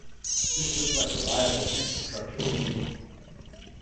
This looks like a viable infrastructure to me.